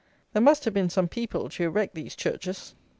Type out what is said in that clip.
There must have been some people to erect these churches.